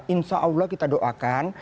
insya allah kita doakan